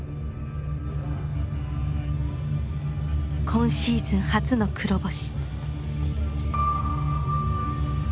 今シーズン初の黒星。